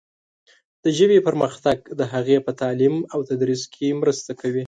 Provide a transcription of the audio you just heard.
د ژبې پرمختګ د هغې په تعلیم او تدریس کې مرسته کوي.